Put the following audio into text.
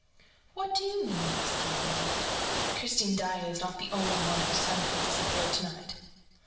"What do you mean?" asked Gabriel. "Christine Daae is not the only one who suddenly disappeared to night."